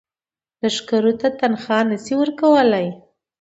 لښکرو ته تنخوا نه شي ورکولای.